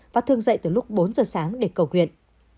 và thường dậy từ lúc bốn giờ sáng để cầu nguyện